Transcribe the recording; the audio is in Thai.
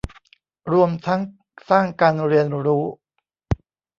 รวมทั้งสร้างการเรียนรู้